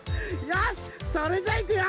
よしっそれじゃいくよ！